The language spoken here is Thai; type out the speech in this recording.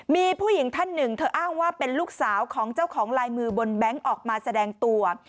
มีผู้หญิงท่านหนึ่งเธออ้างว่าเป็นลูกสาวของเจ้าของลายมือบนแบงค์ออกมาแสดงตัว